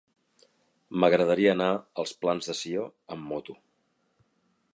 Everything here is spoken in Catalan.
M'agradaria anar als Plans de Sió amb moto.